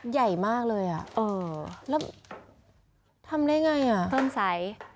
ใหญ่มากเลยอ่ะแล้วทำได้ยังไงอ่ะเพิ่มไซส์